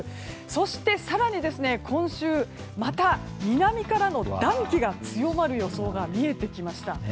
そして、更に今週また南からの暖気が強まる予想が見えてきました。